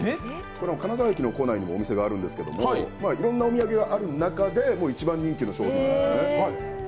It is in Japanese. これは金沢駅の構内にもお店があるんですけどいろんなお土産がある中で一番人気の商品なんですね。